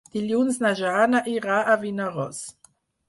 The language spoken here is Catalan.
Dilluns na Jana irà a Vinaròs.